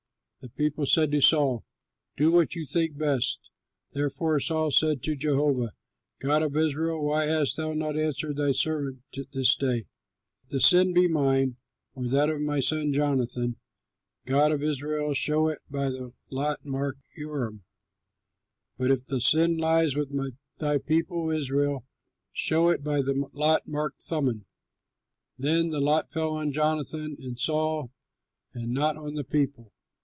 The people said to Saul, "Do what you think best." Therefore Saul said, "Jehovah, God of Israel, why hast thou not answered thy servant this day? If the sin be mine or that of Jonathan my son, Jehovah, God of Israel, show it by the lot marked Urim; but if the sin lies with thy people Israel, show it by the lot marked Thummim." Then the lot fell on Jonathan and Saul and not on the people.